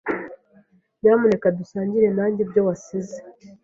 Nyamuneka dusangire nanjye ibyo wasize